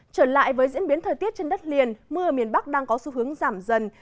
trở lại với diễn biến thời tiết trên đất liền mưa ở miền bắc đang có xu hướng giảm dần